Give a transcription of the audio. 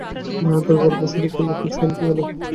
রানু তার গল্প শুরু করল খুব শান্ত গলায়।